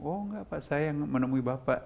oh enggak pak saya yang menemui bapak